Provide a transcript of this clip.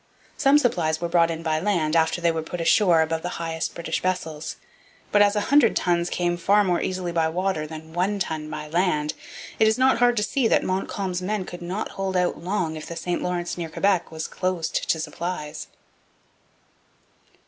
Some supplies were brought in by land after they were put ashore above the highest British vessels. But as a hundred tons came far more easily by water than one ton by land, it is not hard to see that Montcalm's men could not hold out long if the St Lawrence near Quebec was closed to supplies.